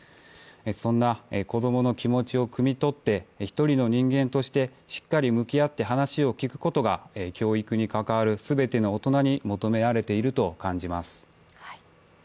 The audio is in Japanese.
そんな子供の気持ちをくみ取って１人の人間として、しっかり向き合って話を聞くことが教育に関わる全ての大人に求められていると感じます。